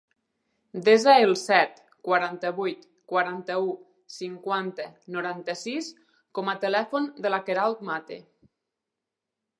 Desa el set, quaranta-vuit, quaranta-u, cinquanta, noranta-sis com a telèfon de la Queralt Mate.